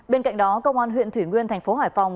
bên cạnh đó công an huyện thủy nguyên tp hải phòng